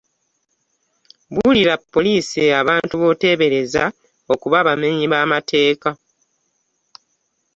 Buulira poliisi abantu boteebereza okuba abamenyi b’amateeka.